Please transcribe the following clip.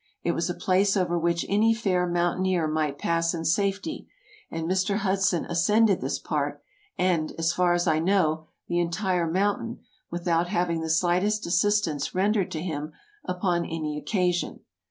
It was a place over which any fair mountaineer might pass in safety, and Mr. Hudson ascended this part, and, as far as I know, the entire mountain, without having the slightest assistance rendered to him upon any occasion.